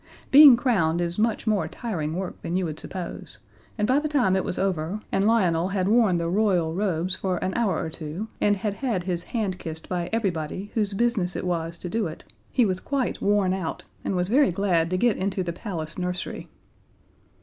Being crowned is much more tiring work than you would suppose, and by the time it was over, and Lionel had worn the Royal robes for an hour or two and had had his hand kissed by everybody whose business it was to do it, he was quite worn out, and was very glad to get into the Palace nursery.